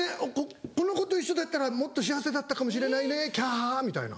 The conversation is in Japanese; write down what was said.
「この子と一緒だったらもっと幸せだったかもしれないね。キャハハ」みたいな。